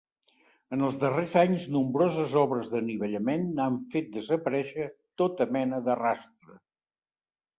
En els darrers anys nombroses obres d'anivellament n'han fet desaparèixer tota mena de rastre.